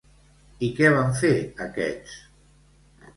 I què van fer aquests?